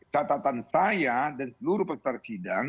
catatan saya dan seluruh persidang